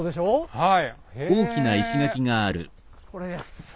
はい。